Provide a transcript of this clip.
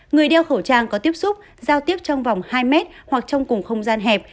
người đeo khẩu trang có tiếp xúc giao tiếp trong vòng hai mét hoặc trong cùng không gian hẹp